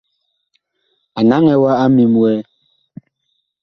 A naŋɛ wa a ŋmim wɛɛ.